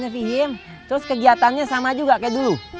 viem terus kegiatannya sama juga kayak dulu